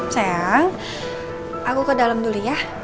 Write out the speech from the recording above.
sayang aku ke dalam dulu ya